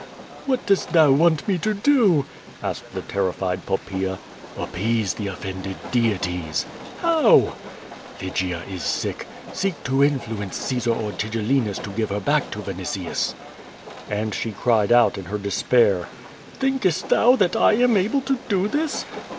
"What dost thou vmnt me to do?" asked the terrified Poppaea. "Appease the offended deities." "How?" QUO VADIS. i99 <6^ "Lygia is sick. Seek to influence Caesar or Tigellinus to give her back to Vinitius/' And she cried out in her despair: "Thinkest thou that I am able to do this?"